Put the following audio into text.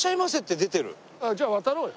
じゃあ渡ろうよ。